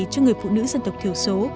cho người phụ nữ dân tộc thiểu số